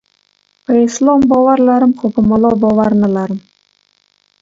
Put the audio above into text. په اسلام باور لرم، خو په مولا باور نلرم.